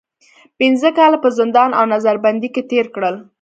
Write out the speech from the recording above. پنځه کاله په زندان او نظر بندۍ کې تېر کړل.